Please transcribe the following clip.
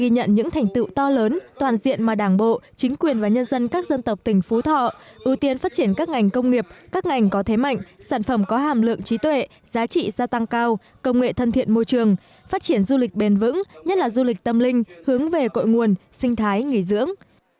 những thành tựu to lớn toàn diện mà đảng bộ chính quyền và nhân dân các dân tộc tỉnh phú thọ ưu tiên phát triển các ngành công nghiệp các ngành có thế mạnh sản phẩm có hàm lượng trí tuệ giá trị gia tăng cao công nghệ thân thiện môi trường phát triển du lịch bền vững nhất là du lịch tâm linh hướng về cội nguồn sinh thái nghỉ dưỡng